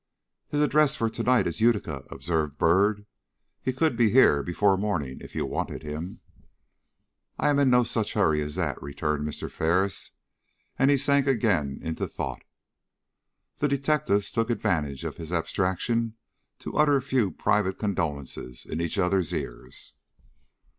"His address for to night is Utica," observed Byrd. "He could be here before morning, if you wanted him." "I am in no such hurry as that," returned Mr. Ferris, and he sank again into thought. The detectives took advantage of his abstraction to utter a few private condolences in each other's ears.